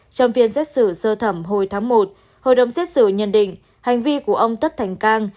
trong phiên xét xử sơ thẩm hồi tháng một hội đồng xét xử nhận định hành vi của ông tất thành cang